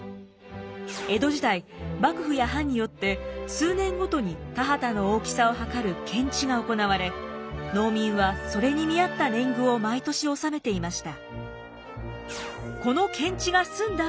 江戸時代幕府や藩によって数年ごとに田畑の大きさをはかる検地が行われ農民はそれに見合った年貢を毎年納めていました。